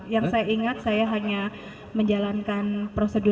yang saya ingat saya hanya menjalankan prosedur